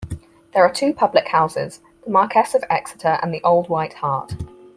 There are two public houses, The Marquess of Exeter and The Old White Hart.